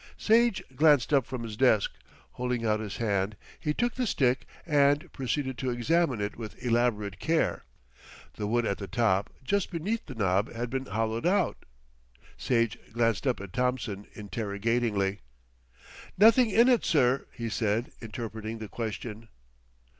Sage glanced up from his desk. Holding out his hand he took the stick and proceeded to examine it with elaborate care. The wood at the top, just beneath the knob, had been hollowed out. Sage glanced up at Thompson interrogatingly. "Nothing in it, sir," he said, interpreting the question.